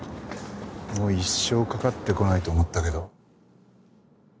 もう一生かかってこないと思ったけど。